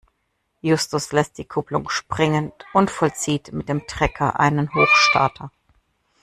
Justus lässt die Kupplung springen und vollzieht mit dem Trecker einen Hochstarter.